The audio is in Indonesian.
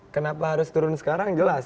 kenapa harus turun sekarang jelas